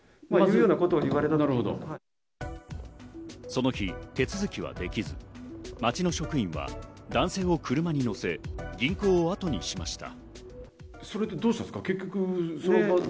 その日、手続きはできず町の職員は男性を車に乗せ銀行をあとにしました。